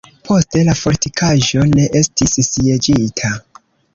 Poste la fortikaĵo ne estis sieĝita.